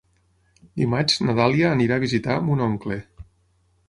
Dimarts na Dàlia anirà a visitar mon oncle.